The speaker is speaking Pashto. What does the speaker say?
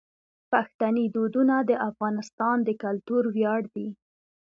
پښتني دودونه د افغانستان د کلتور ویاړ دي.